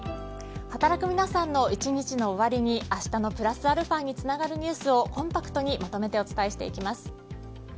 働く皆さんの一日の終わりにあしたのプラスαにつながるニュースをコンパクトにまとめてお伝えしていきます。